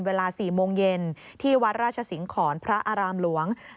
เวลา๔โมงเย็นที่วัดราชสิงหอนพระอารามหลวง